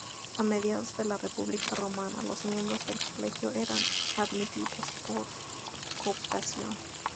A mediados de la República Romana, los miembros del colegio eran admitidos por cooptación.